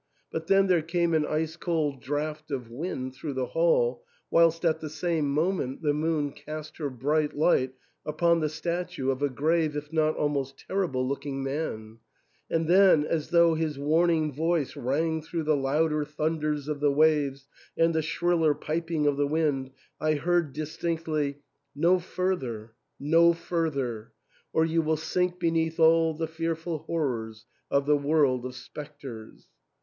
But then there came an ice cold draught of wind through the hall, whilst at the same moment the moon cast her bright light upon the statue of a grave if not almost terrible looking man ; and then, as though his warning voice rang through the louder thunders of the waves and the shriller piping of the wind, I heard distinctly, "No further, no further! or you will sink beneath all the fearful horrors of the world of spectres."